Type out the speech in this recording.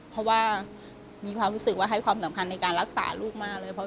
เพราะว่ามีความรู้สึกว่าให้ความสำคัญในการรักษาลูกมากเลย